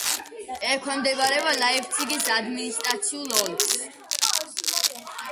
ექვემდებარება ლაიფციგის ადმინისტრაციულ ოლქს.